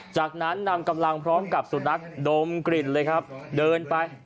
จากนั้นนำกำลังพร้อมกับสุนัขดมกลิ่นเลยครับเดินไป